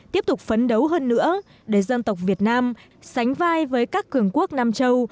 tiếp tục phấn đấu hơn nữa để dân tộc việt nam sánh vai với các cường quốc nam châu